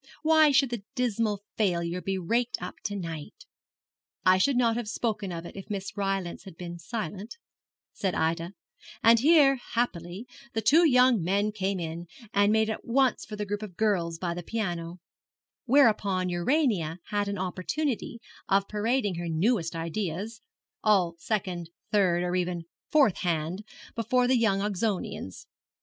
Why should the dismal failure be raked up to night?' 'I should not have spoken of it if Miss Rylance had been silent,' said Ida; and here, happily, the two young men came in, and made at once for the group of girls by the piano, whereupon Urania had an opportunity of parading her newest ideas, all second, third, or even fourth hand, before the young Oxonians.